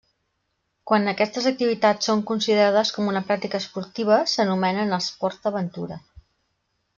Quan aquestes activitats són considerades com una pràctica esportiva s'anomenen esports d'aventura.